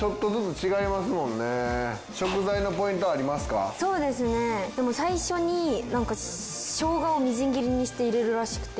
そうですねでも最初になんかしょうがをみじん切りにして入れるらしくて。